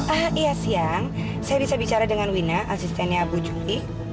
ah iya siang saya bisa bicara dengan wina asistennya bu juli